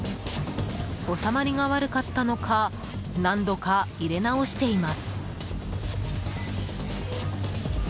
収まりが悪かったのか何度か入れ直しています。